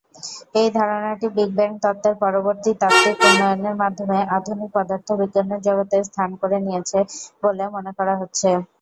এই ধারণাটি big bang তত্ত্বের পরবর্তী তাত্ত্বিক উন্নয়নের মাধ্যমে আধুনিক পদার্থবিজ্ঞানের জগতে স্থান করে নিয়েছে বলে মনে করা হচ্ছে।